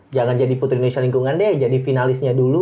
jangan jadi putri indonesia lingkungan deh jadi finalisnya dulu